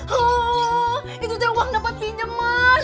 huuu itu teh uang dapat pinjaman